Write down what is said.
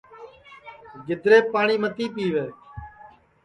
گِدریپ پاٹؔی متی پِیوے